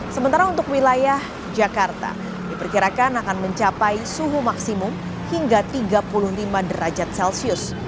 sementara untuk wilayah jakarta diperkirakan akan mencapai suhu maksimum hingga tiga puluh lima derajat celcius